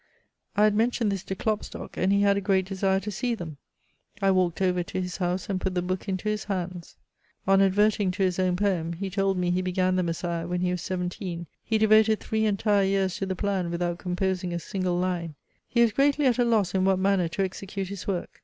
I had mentioned this to Klopstock, and he had a great desire to see them. I walked over to his house and put the book into his hands. On adverting to his own poem, he told me he began THE MESSIAH when he was seventeen; he devoted three entire years to the plan without composing a single line. He was greatly at a loss in what manner to execute his work.